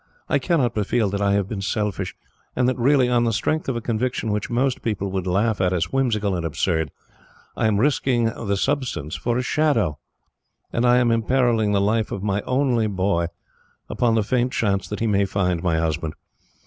"I cannot but feel that I have been selfish, and that really, on the strength of a conviction which most people would laugh at as whimsical and absurd, I am risking the substance for a shadow, and am imperilling the life of my only boy, upon the faint chance that he may find my husband.